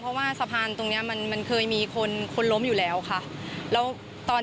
เพราะว่าสะพานตรงเนี้ยมันมันเคยมีคนคนล้มอยู่แล้วค่ะแล้วตอน